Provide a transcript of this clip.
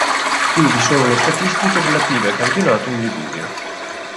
Qui vi sono le statistiche relative al campionato in Liguria.